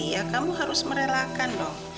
ya kamu harus merelakan dong